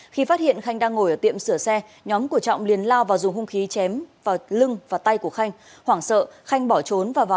khi phát hiện khanh đang ngồi ở tiệm sửa xe nhóm của trọng liền lao vào dùng hung khí chém vào lưng và tay của khanh